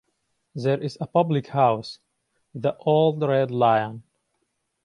There is a public house, "The Old Red Lion".